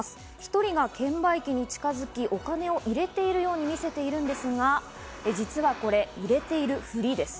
１人が券売機に近づき、お金を入れているように見せているんですが、実はこれ、入れているふりです。